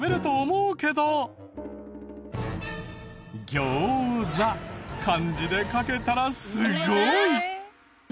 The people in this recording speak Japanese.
ギョウザ漢字で書けたらすごい！